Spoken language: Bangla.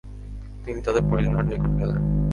তিনি তাঁদের পরিজনের নিকট গেলেন।